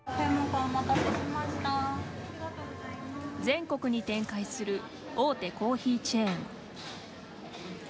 全国に展開する大手コーヒーチェーン。